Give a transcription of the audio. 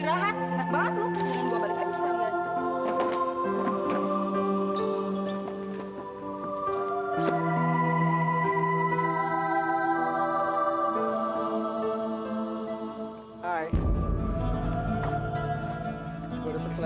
apa gua kejang aja